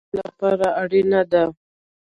رسۍ د کار لپاره اړینه ده.